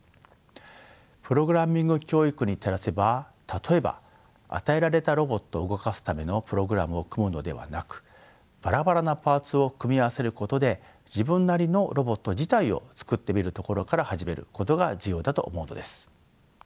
プログラミング教育に照らせば例えば与えられたロボットを動かすためのプログラムを組むのではなくバラバラなパーツを組み合わせることで自分なりのロボット自体を作ってみるところから始めることが重要だと思うのです。